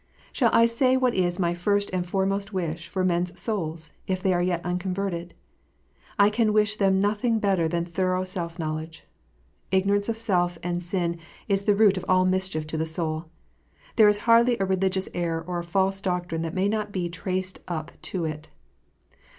Shall I say what is my first and foremost wish for men s souls, if they are yet unconverted 1 I can wish them nothing better than thorough self knoivledye. Ignorance of self and sin is the root of all mischief to the soul. There is hardly a re ligious error or a false doctrine that may not be traced up to it.